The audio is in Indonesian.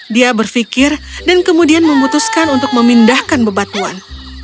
dia berpikir dan kemudian memutuskan untuk memindahkan bebatuan